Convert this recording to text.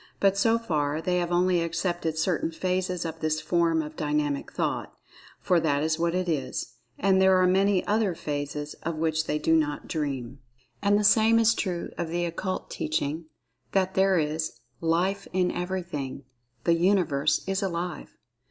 But so far, they have only accepted certain phases of this form of Dynamic Thought—for that is what it is, and there are many other phases of which they do not dream. And the same is true of the Occult Teaching that there is "Life in Everything—the Universe is Alive."